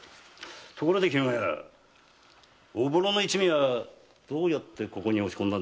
ところでおぼろの一味はどうやってここに押し込んだ？